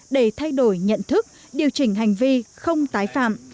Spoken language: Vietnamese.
để thay đổi nhận thức điều chỉnh hành vi không tái phạm